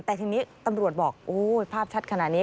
แต่ทีนี้ตำรวจบอกโอ้ยภาพชัดขนาดนี้